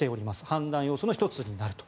判断要素の１つになると。